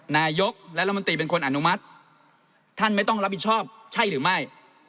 นายกรัฐมนตรีเป็นคนอนุมัติท่านไม่ต้องรับผิดชอบใช่หรือไม่